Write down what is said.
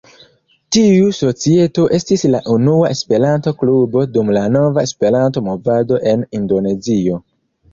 Tiu societo estis la unua Esperanto-klubo dum la nova Esperanto-movado en Indonezio.